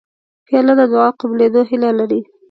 پیاله د دعا قبولېدو هیله لري